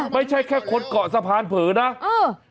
ไม่ใช่แค่คนเกาะสะพานเผลอนะเออ